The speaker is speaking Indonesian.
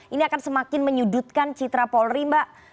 ini akan semakin menyudutkan citra polri mbak